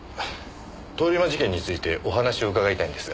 通り魔事件についてお話を伺いたいんですが。